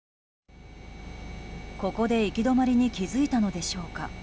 ここで行き止まりに気づいたのでしょうか。